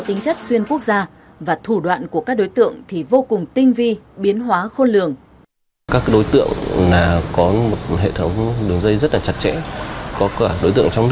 tính chất xuyên quốc gia và thủ đoạn của các đối tượng thì vô cùng tinh vi biến hóa khôn lường